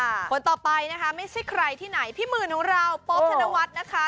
คนต่อไปนะคะไม่ใช่ใครที่ไหนพี่หมื่นของเราโป๊บธนวัฒน์นะคะ